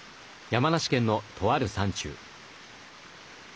山梨県のとある山中。